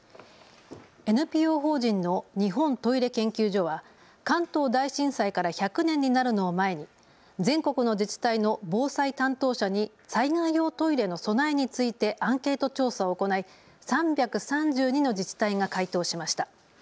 ＮＰＯ法人の日本トイレ研究所は関東大震災から１００年になるのを前に全国の自治体の防災担当者に災害用トイレの備えについてアンケート調査を行い３３２の自治体が回答しました。